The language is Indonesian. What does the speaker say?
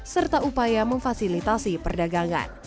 serta upaya memfasilitasi perdagangan